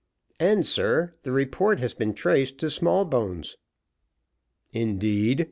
"And, sir, the report has been traced to Smallbones." "Indeed!